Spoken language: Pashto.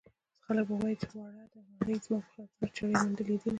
خلک به وايي چې وړه ده وړې زما په زړه چړې منډلې دينه